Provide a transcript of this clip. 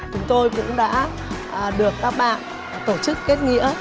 chúng tôi cũng đã được các bạn tổ chức kết nghĩa